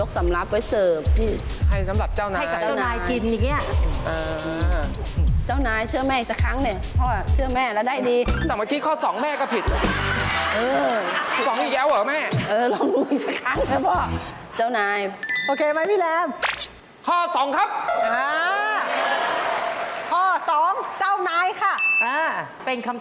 ตัดไปเลยเนี่ยเจ้าที่ไม่ใช่แน่นอนแม่